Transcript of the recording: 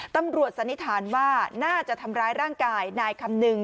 สันนิษฐานว่าน่าจะทำร้ายร่างกายนายคำนึง